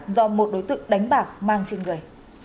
do một đối tượng đánh bạc mang trên người